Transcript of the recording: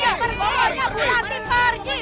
bu ranti pergi